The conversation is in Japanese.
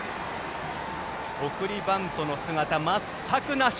送りバントの姿、全くなし。